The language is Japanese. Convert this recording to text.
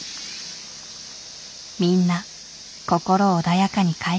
みんな心穏やかに帰っていく。